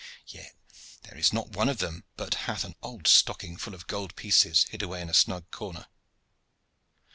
Yet there is not one of them but hath an old stocking full of gold pieces hid away in a snug corner."